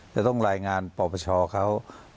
จะต้องรายงานป่อประชาเขา